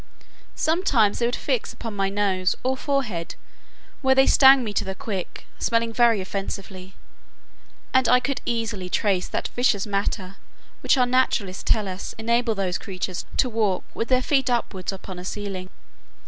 Sometimes they would fix upon my nose, or forehead, where they stung me to the quick, smelling very offensively; and I could easily trace that viscous matter, which, our naturalists tell us, enables those creatures to walk with their feet upwards upon a ceiling.